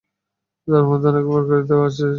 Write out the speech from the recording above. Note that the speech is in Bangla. তার মধ্যে অনেক উপকারিতাও রয়েছে।